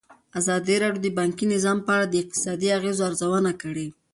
ازادي راډیو د بانکي نظام په اړه د اقتصادي اغېزو ارزونه کړې.